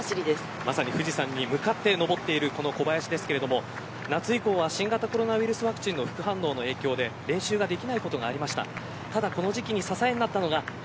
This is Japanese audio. まさに富士山に向かって上っている小林ですが夏以降は新型コロナウイルスのワクチン副反応の影響で練習ができないことがありました。